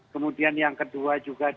kemudian yang kedua juga